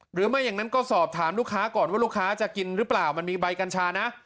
หรือไม่อย่างนั้นก็สอบถามลูกค้าก่อนว่าลูกค้าจะกินหรือเปล่ามันมีใบกัญชานะ